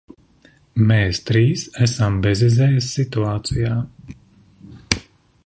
Mēs trīs esam bezizejas situācijā.